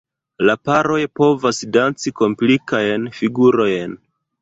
La paroj povas danci komplikajn figurojn.